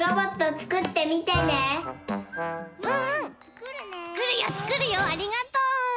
つくるよつくるよありがとう。